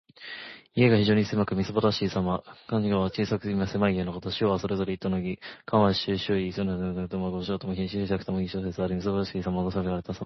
家が非常に狭く、みすぼらしくさびしいさま。「環堵」は小さく狭い家のこと。四方それぞれ一堵の家の意。「環」は四周・周囲。「堵」は一丈（約二・二五メートル）とも五丈とも四十尺ともいい諸説ある。「蕭然」はみすぼらしくさびしいさま。物さびしく荒れ果てたさま。